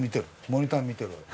モニター見てるわけ？